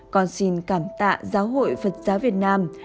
còn xin cảm tạ giáo hội phật giáo việt nam